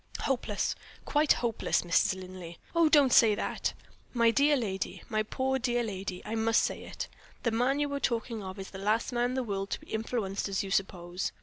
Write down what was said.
"Hopeless. Quite hopeless, Mrs. Linley." "Oh, don't say that!" "My dear lady, my poor dear lady, I must say it. The man you are talking of is the last man in the world to be influenced as you suppose.